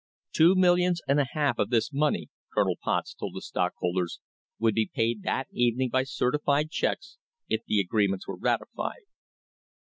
Two millions and a half of this money, Colonel Potts told the stockholders, would be paid that evening by certified checks if the agreements were ratified.